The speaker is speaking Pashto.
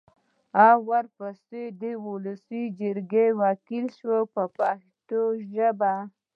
ورپسې د ولسي جرګې وکیل شو په پښتو ژبه.